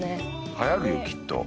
はやるよきっと。